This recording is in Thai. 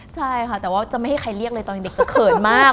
ใช่ค่ะแต่ว่าจะไม่ให้ใครเรียกเลยตอนเด็กจะเขินมาก